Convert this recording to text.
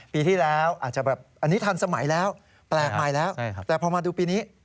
ปีที่แล้วอาจจะแบบอันนี้ทันสมัยแล้วแปลกใหม่แล้วแต่พอมาดูปีนี้